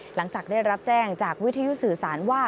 หลังจากได้รับแจ้งจากวิทยุสื่อสารว่า